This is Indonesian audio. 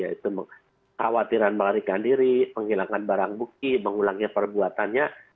itu khawatiran melarikan diri penghilangkan barang buki mengulangi perbuatannya